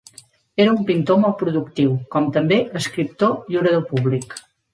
Era un pintor molt productiu, com també escriptor i orador públic.